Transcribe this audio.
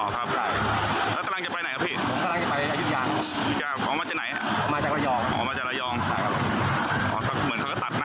ขอให้เข้ากลับบ้านครับ